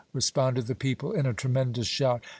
responded the people in a tremendous shout.